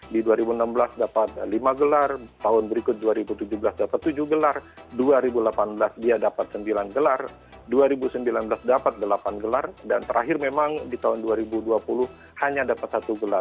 di dua ribu enam belas dapat lima gelar tahun berikut dua ribu tujuh belas dapat tujuh gelar dua ribu delapan belas dia dapat sembilan gelar dua ribu sembilan belas dapat delapan gelar dan terakhir memang di tahun dua ribu dua puluh hanya dapat satu gelar